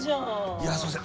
いやすみません